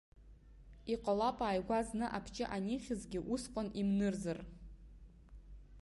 Иҟалап ааигәа зны абҷы анихьызгьы усҟак имнырзар.